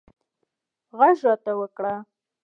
غږ راته وکړه